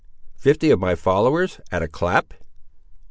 fifty of my followers, at a clap!